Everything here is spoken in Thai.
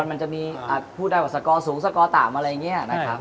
มันจะมีพูดได้ว่าสกอร์สูงสกอร์ต่ำอะไรอย่างนี้นะครับ